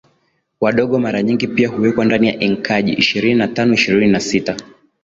wadogo mara nyingi pia huwekwa ndani ya enkaji Ishirini na tano Ishirini na sita